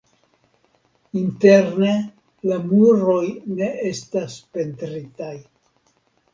Interne la muroj ne estas pentritaj.